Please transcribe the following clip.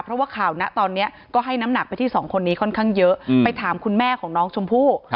เพราะว่าข่าวนะตอนนี้ก็ให้น้ำหนักไปที่สองคนนี้ค่อนข้างเยอะไปถามคุณแม่ของน้องชมพู่